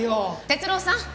哲郎さん